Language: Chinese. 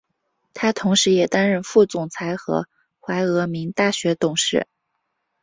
他同时也担任副总裁与怀俄明大学董事。